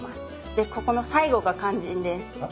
でここの最後が肝心です。